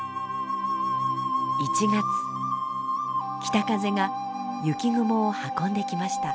北風が雪雲を運んできました。